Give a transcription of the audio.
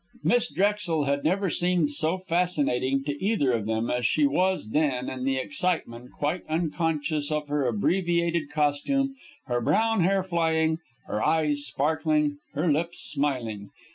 Miss Drexel had never seemed so fascinating to either of them as she was then, in the excitement quite unconscious of her abbreviated costume, her brown hair flying, her eyes sparkling, her lips smiling.